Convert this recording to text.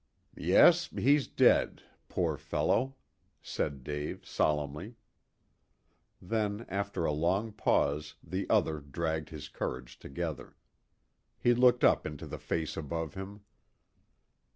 "Yes, he's dead poor fellow," said Dave solemnly. Then, after a long pause, the other dragged his courage together. He looked up into the face above him.